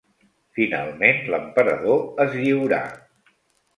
Finalment l'emperador es lliurà.